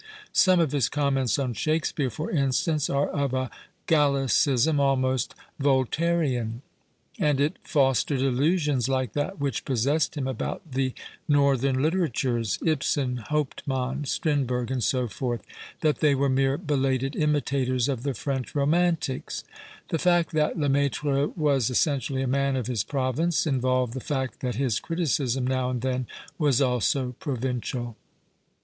Some of his comments on Shake speare, for instance, are of a Gallicism almost Vol tairean. And it fostered illusions like that which possessed him about the " Northern literatures "— Ibsen, Hauptmann, Strindberg, and so forth — that they were mere belated imitators of the French romantics. The fact that Lcmaitrc was essentially a man of his province involved the fact that his criticism now and then was also provincial.